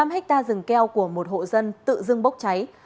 một mươi năm ha rừng keo của một hộ dân tự dưng bốc cháy